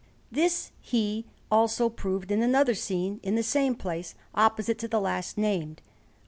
This he also proved in another scene in the same place, opposite to the last named, of S.